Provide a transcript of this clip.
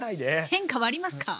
変化はありますか？